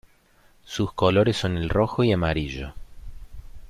Sus colores son el rojo y amarillo.